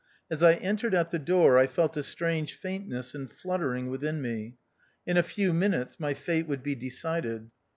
As I entered at the door 1 felt a strange faint ness and fluttering within me. In a few minutes my fate would be decided.